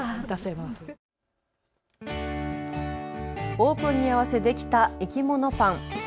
オープンに合わせできたいきものパン。